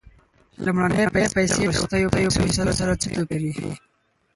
لومړنۍ پیسې له وروستیو پیسو سره څه توپیر لري